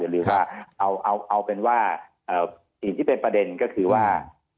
หรือว่าเอาเป็นว่าสิ่งที่เป็นประเด็นก็คือว่า